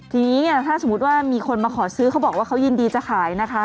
ทีนี้ถ้าสมมุติว่ามีคนมาขอซื้อเขาบอกว่าเขายินดีจะขายนะคะ